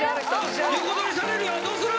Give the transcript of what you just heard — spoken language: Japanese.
横取りされるよどうする？